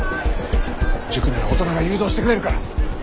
塾なら大人が誘導してくれるから。